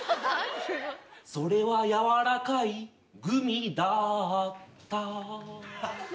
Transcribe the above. それは軟らかいグミだった